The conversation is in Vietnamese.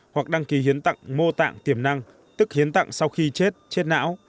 hoặc đăng ký hiến tạng mô tạng tiềm năng tức hiến tạng sau khi chết chết não